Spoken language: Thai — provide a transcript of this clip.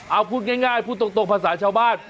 เอาพูดง่ายพูดตรงภาษาชาวบ้าน